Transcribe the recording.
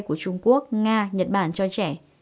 của trung quốc nga nhật bản cho trẻ